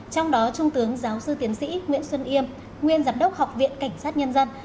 trong đó trung tướng giáo sư tiến sĩ nguyễn xuân yêm nguyên giám đốc học viện cảnh sát nhân dân